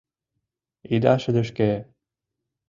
Ида шыдешке.